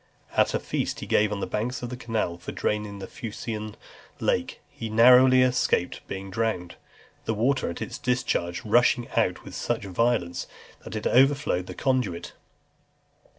At a feast he gave on the banks of the canal for draining the Fucine Lake, he narrowly escaped being drowned, the water at its discharge rushing out with such violence, that it overflowed the conduit.